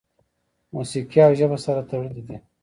موسیقي او ژبه سره تړلي دي.